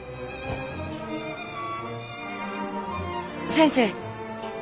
先生！